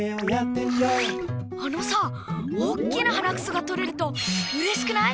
あのさおっきなはなくそがとれるとうれしくない？